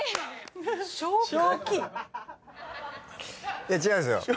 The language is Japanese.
⁉いや違うんすよ。